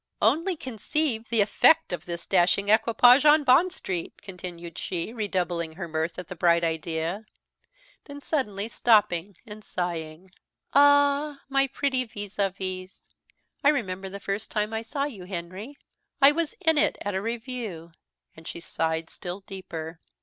"Only conceive the effect of this dashing equipage in Bond Street!" continued she, redoubling her mirth at the bright idea; then suddenly stopping, and sighing "Ah, my pretty vis à vis! I remember the first time I saw you, Henry, I was in it at a review;" and she sighed still deeper.